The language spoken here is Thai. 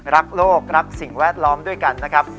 รักโลกรักสิ่งแวดล้อมด้วยกันนะครับ